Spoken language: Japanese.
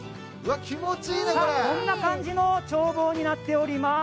こんな感じの眺望になってます。